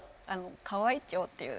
河合町っていう。